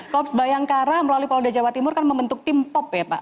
korps bayangkara melalui polda jawa timur kan membentuk tim pop ya pak